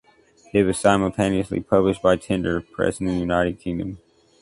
It was simultaneously published by Tinder Press in the United Kingdom.